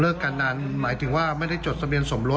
การนั้นหมายถึงว่าไม่ได้จดทะเบียนสมรส